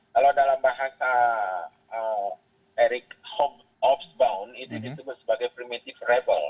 kalau dalam bahasa eric hobsbawm itu disebut sebagai primitive rebel